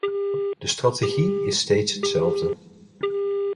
De strategie is steeds hetzelfde.